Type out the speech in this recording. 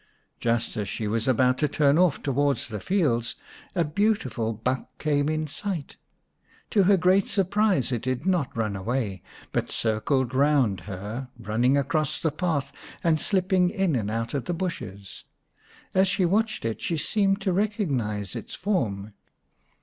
Just as she was about to turn off towards the fields a beautiful buck came in sight. To her great surprise it did not run away, but circled round her, running across the path and slipping in and out of the bushes. As she watched it she seemed to recognise its form.